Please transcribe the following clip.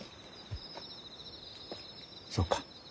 そうか。